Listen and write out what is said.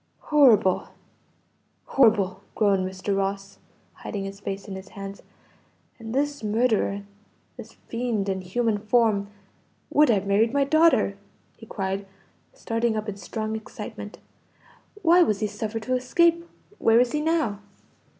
"Horrible, horrible!" groaned Mr. Ross, hiding his face in his hands. "And this murderer, this fiend in human form, would have married my daughter!" he cried, starting up in strong excitement. "Why was he suffered to escape? Where is he now?"